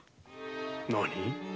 何？